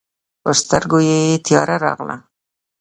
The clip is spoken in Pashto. پر سترګو يې تياره راغله.